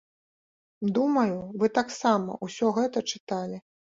Думаю, вы таксама ўсё гэта чыталі.